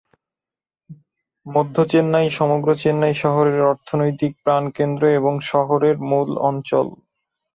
মধ্য চেন্নাই সমগ্র চেন্নাই শহরের অর্থনৈতিক প্রাণকেন্দ্র এবং শহরের মূল অঞ্চল।